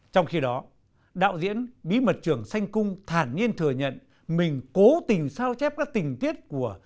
trong khi đó đạo diễn bí mật trường sanh cung thản nhiên thừa nhận mình cố tình sao chép các tình tiết của